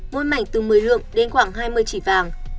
mỗi mảnh từ một mươi lượng đến khoảng hai mươi chỉ vàng